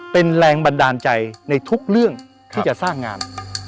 เป็นแรงบันดาลใจในทุกเรื่องที่จะสร้างงาน